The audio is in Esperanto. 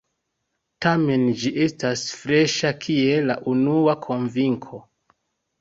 Tamen ĝi estas freŝa kiel la unua konvinko.